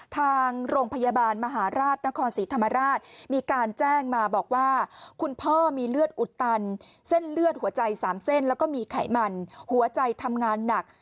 ทางโรงพยาบาลมหาราชนครศรีธรรมราชมีการแจ้งมาบอกว่าคุณพ่อมีเลือดอุดตันเส้นเลือดหัวใจ๓เส้นแล้วก็มีไขมันหัวใจทำงานหนัก